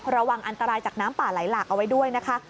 ระวังอันตรายจากน้ำป่าไหลหลากเอาไว้ด้วยนะคะ